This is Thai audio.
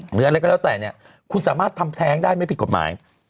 หรืออะไรก็แล้วแต่เนี่ยคุณสามารถทำแท้งได้ไม่ผิดกฎหมาย